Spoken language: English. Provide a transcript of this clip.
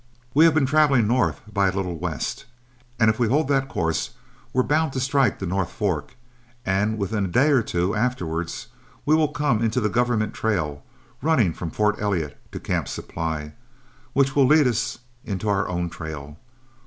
We have been traveling north by a little west, and if we hold that course we're bound to strike the North Fork, and within a day or two afterwards we will come into the government trail, running from Fort Elliot to Camp Supply, which will lead us into our own trail.